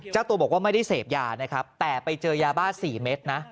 เจ้าตัวบอกว่าไม่ได้เสพยานะครับแต่ไปเจอยาบ้า๔เม็ดนะ